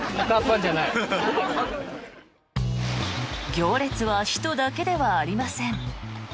行列は人だけではありません。